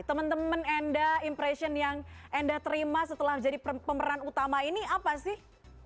temen temen enda impression yang enda terima setelah jadi pemeran utama ini apa sih